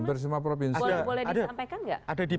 boleh disampaikan enggak ada di